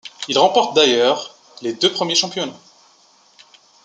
Il remporte d'ailleurs les deux premiers championnats.